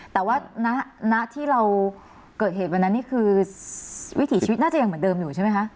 แต่ว่าณที่เราเกิดเหตุวันนั้นนี่คือวิถีชีวิตน่าจะยังเหมือนเดิมอยู่ใช่ไหมคะ